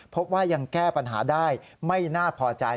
พบว่ายังแก้ปัญหาได้ไม่น่าพอใจ